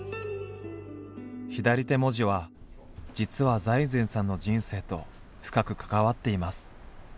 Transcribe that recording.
左手文字は実は財前さんの人生と深く関わっています。